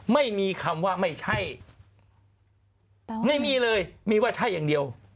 ไม่มีคำว่าไม่ใช่ไม่มีเลยมีว่าใช่อย่างเดียว